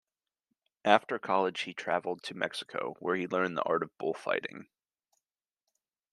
After college he traveled to Mexico, where he learned the art of bullfighting.